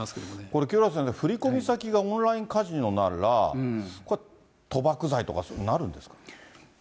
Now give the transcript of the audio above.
これ、清原先生、振り込み先がオンラインカジノなら、これは賭博罪とかになるんですか。